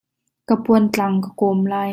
Ka puan tlang ka kawm lai.